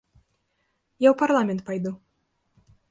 Я ў парламент пайду.